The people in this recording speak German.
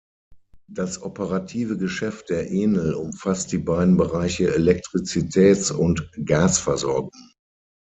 Das operative Geschäft der Enel umfasst die beiden Bereiche Elektrizitäts- und Gasversorgung.